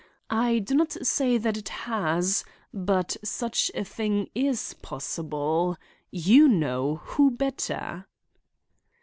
I do not say that it has; but such a thing is possible, you know: who better?"